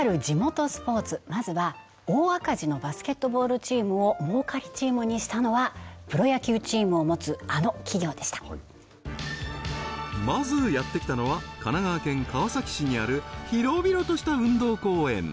地元スポーツまずは大赤字のバスケットボールチームを儲かりチームにしたのはプロ野球チームを持つあの企業でしたまずやって来たのは神奈川県川崎市にある広々とした運動公園